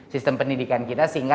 sistem pendidikan kita sehingga